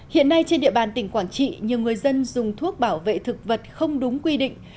hiện nay trên địa bàn tỉnh quảng trị nhiều người dân dùng thuốc bảo vệ thực vật không đúng quy định